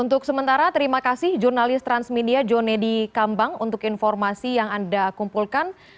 untuk sementara terima kasih jurnalis transmedia jonedi kambang untuk informasi yang anda kumpulkan